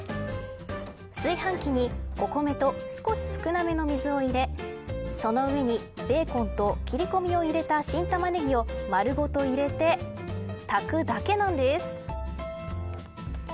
炊飯器に、お米と少し少なめの水を入れその上にベーコンと切り込みを入れた新タマネギを丸ごと入れて炊くだけなんです。